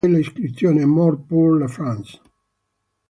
Sulla sua tomba c'è l'iscrizione: "Mort pour la France".